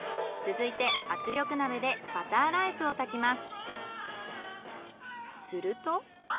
続いて圧力鍋でバターライスを炊きます。